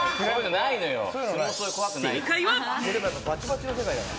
正解は。